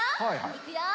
いくよ。